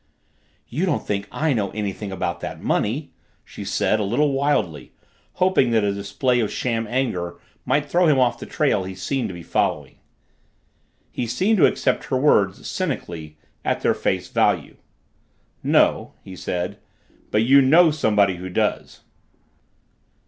"You don't think I know anything about that money?" she said, a little wildly, hoping that a display of sham anger might throw him off the trail he seemed to be following. He seemed to accept her words, cynically, at their face value. "No," he said, "but you know somebody who does."